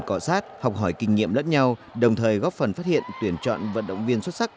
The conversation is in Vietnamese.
cọ sát học hỏi kinh nghiệm lẫn nhau đồng thời góp phần phát hiện tuyển chọn vận động viên xuất sắc